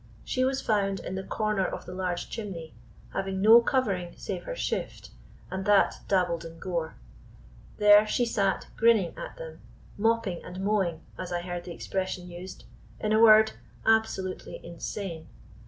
She was found in the corner of the large chimney, having no covering save her shift, and that dabbled in gore. There she sat grinning at them, mopping and mowing, as I heard the expression used; in a word, absolutely insane.